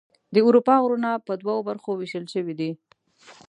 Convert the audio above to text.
د اروپا غرونه په دوه برخو ویشل شوي دي.